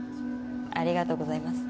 ありがとうございます。